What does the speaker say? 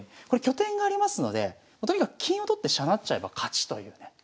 これ拠点がありますのでとにかく金を取って飛車成っちゃえば勝ちというね。